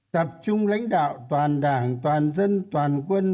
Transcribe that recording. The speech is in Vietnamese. tập trung lãnh đạo toàn đảng toàn dân toàn quân